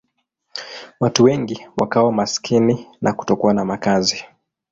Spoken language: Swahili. Watu wengi wakawa maskini na kutokuwa na makazi.